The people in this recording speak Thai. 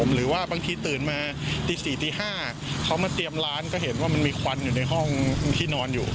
หรือว่าบางทีตื่นมาตี๔ตี๕เขามาเตรียมร้านก็เห็นว่ามันมีควันอยู่ในห้องที่นอนอยู่